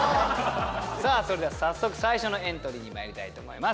さあそれでは早速最初のエントリーにまいりたいと思います。